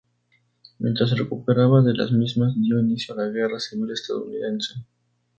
Mientras se recuperaba de las mismas, dio inicio la Guerra Civil Estadounidense.